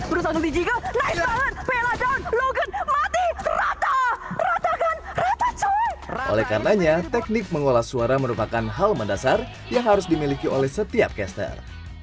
artikulasi mengolah suara merupakan hal mendasar yang harus dimiliki oleh setiap caster